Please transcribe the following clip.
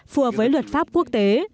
phùa với luật pháp quốc tế